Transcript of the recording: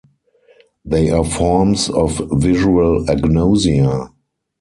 They are forms of visual agnosia.